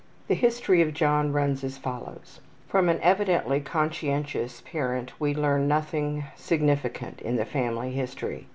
The history of John runs as follows: From an evidently conscientious parent we learn of nothing significant in the family history.